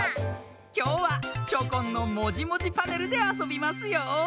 きょうはチョコンの「もじもじパネル」であそびますよ。